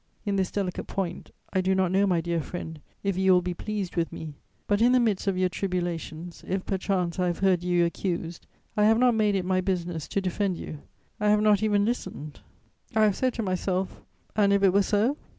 In this delicate point, I do not know, my dear friend, if you will be pleased with me; but, in the midst of your tribulations, if perchance I have heard you accused, I have not made it my business to defend you: I have not even listened. I have said to myself, 'And if it were so?'